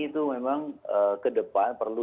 itu memang kedepan perlu